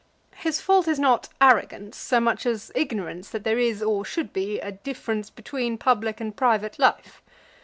"His fault is not arrogance, so much as ignorance that there is, or should be, a difference between public and private life.